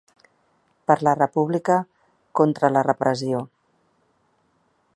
Per la república, contra la repressió.